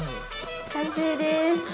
完成です。